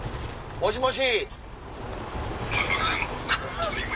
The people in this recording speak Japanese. もしもし？